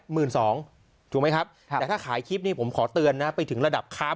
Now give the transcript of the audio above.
หมื่นสองถูกไหมครับแต่ถ้าขายคลิปนี้ผมขอเตือนนะไปถึงระดับค้าง